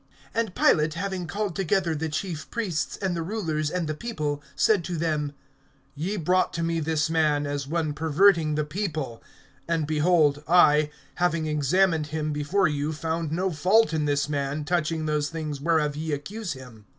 (13)And Pilate, having called together the chief priests and the rulers and the people, (14)said to them: Ye brought to me this man, as one perverting the people; and, behold, I, having examined him before you, found no fault in this man, touching those things whereof ye accuse him.